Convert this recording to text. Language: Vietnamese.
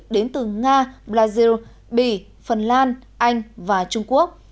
đến từ nga brazil bỉ phần lan anh và trung quốc